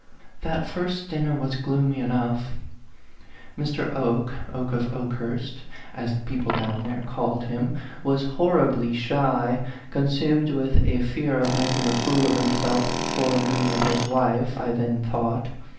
That first dinner was gloomy enough. Mr. Oke Oke of Okehurst, as the people down there called him was horribly shy, con sumed with a fear of makicg a fool of himself before me and his wife, I then thought.